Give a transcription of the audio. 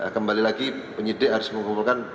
kembali lagi penyidik harus mengumpulkan